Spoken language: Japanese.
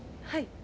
はい。